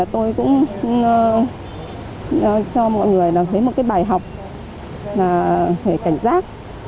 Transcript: tôi cũng cho mọi người là thấy một cái bài học là phải cảnh giác